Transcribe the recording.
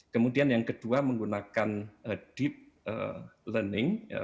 kemudian yang kedua menggunakan deep learning